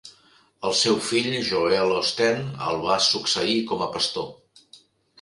El seu fill Joel Osteen el va succeir com a pastor.